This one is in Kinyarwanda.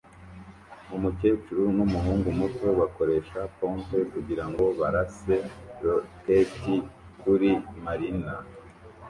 Umukecuru n'umuhungu muto bakoresha pompe kugirango barase roketi kuri marina